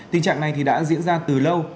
tình trạng này thì đã diễn ra từ lâu